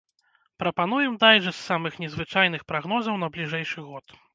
Прапануем дайджэст самых незвычайных прагнозаў на бліжэйшы год.